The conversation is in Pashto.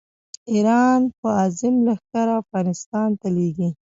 ایران به عظیم لښکر افغانستان ته لېږي.